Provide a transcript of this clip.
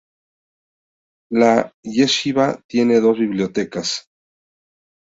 La yeshivá tiene dos bibliotecas.